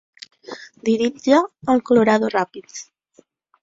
Dirige al Colorado Rapids.